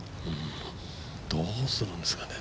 どうするんですかね。